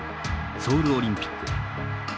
ソウルオリンピック。